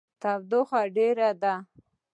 تودوخه ډیره ده